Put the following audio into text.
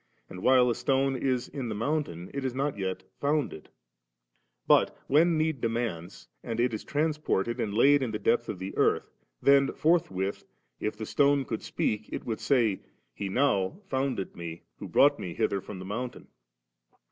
And while a stone is in the mountain, it is not yet founded ; but when need demands, and it is transported, and laid in the depth of the earth, then forthwith if the stone could speak, it would say, 'He now founded me, who brought me hither from the mountain.